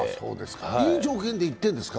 いい条件で行ってるんですか？